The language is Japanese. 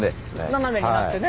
斜めになってね。